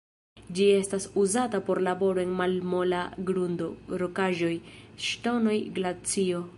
Ĝi estas uzata por laboro en malmola grundo, rokaĵoj, ŝtonoj, glacio.